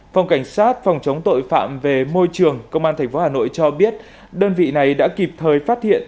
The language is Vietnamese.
phòng cảnh sát phòng chống tội phạm về môi trường công an tp hà nội cho biết đơn vị này đã kịp thời phát hiện